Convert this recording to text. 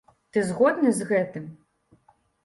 Ты згодны з гэтым?